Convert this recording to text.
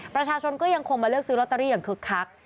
ประชาชนก็ยังคงมาเลือกซื้อลอตเตอรี่อย่างคึกคัก